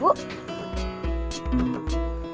hai cipta bu